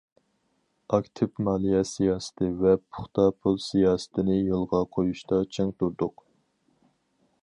ئاكتىپ مالىيە سىياسىتى ۋە پۇختا پۇل سىياسىتىنى يولغا قويۇشتا چىڭ تۇردۇق.